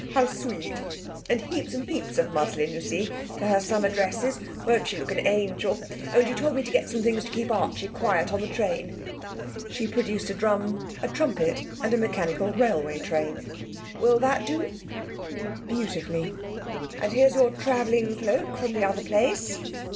how sweet! and heaps and heaps of muslin, you see, for her summer dresses. Won't she look an angel? Oh, and you told me to get some things to keep Archie quiet in the train.' She produced a drum, a trumpet, and a mechanical railway train. 'Will that do?' 'Beautifully.' 'And here's your travelling cloak from the other place.'